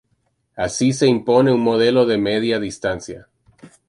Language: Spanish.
Así se impone un modelo de media distancia